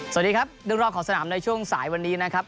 สวัสดีครับเรื่องรอบของสนามในช่วงสายวันนี้นะครับ